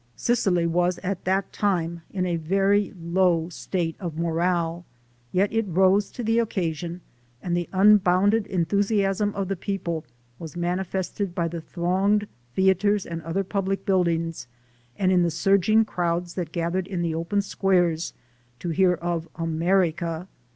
Sicily was at that time in a very low state of "morale," yet it rose to the occasion, and the unbounded enthusiasm of the people was manifested by the thronged theaters and other public buildings, and in the surging crowds that gathered in the open squares to hear of America.